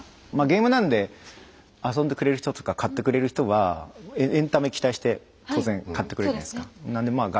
ゲームなんで遊んでくれる人とか買ってくれる人はエンタメ期待して当然買ってくれるじゃないですか。